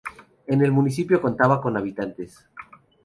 En el municipio contaba con habitantes.